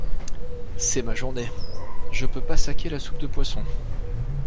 C’est ma journée. Je peux pas saquer la soupe de poisson.